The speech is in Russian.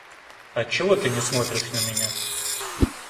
Отчего ты не смотришь на меня?